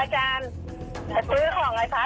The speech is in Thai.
อาจารย์มีคนได้ไปรางวัลที่๑แหละ